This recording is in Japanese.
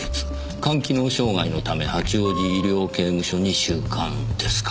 肝機能障害のため八王子医療刑務所に収監ですか。